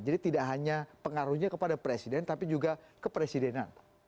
jadi tidak hanya pengaruhnya kepada presiden tapi juga kepresidenan